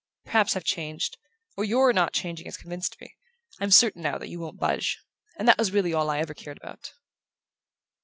Perhaps I've changed or YOUR not changing has convinced me. I'm certain now that you won't budge. And that was really all I ever cared about."